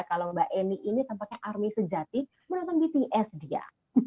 kalau mbak annie ini tanpa pakai army sejati menonton bts dia